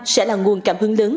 sẽ là nguồn cảm hứng lớn